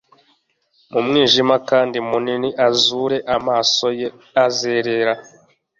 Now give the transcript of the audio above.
Mumwijima kandi munini azure amaso ye azerera